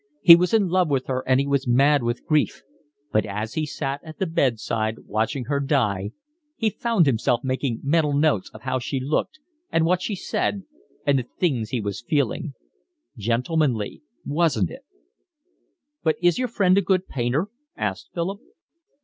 He was in love with her and he was mad with grief, but as he sat at the bedside watching her die he found himself making mental notes of how she looked and what she said and the things he was feeling. Gentlemanly, wasn't it?" "But is your friend a good painter?" asked Philip.